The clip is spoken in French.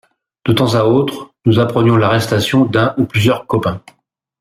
De temps à autre nous apprenions l'arrestation d'un ou plusieurs copains.